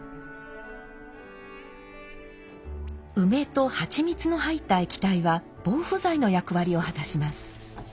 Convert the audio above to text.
梅と蜂蜜の入った液体は防腐剤の役割を果たします。